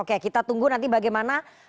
oke kita tunggu nanti bagaimana